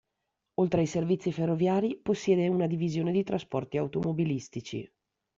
Oltre ai servizi ferroviari, possiede una divisione di trasporti automobilistici.